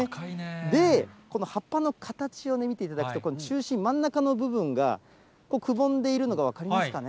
で、この葉っぱの形を見ていただくと、中心、真ん中の部分がくぼんでいるのが分かりますかね。